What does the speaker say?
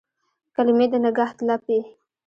کلمې د نګهت لپې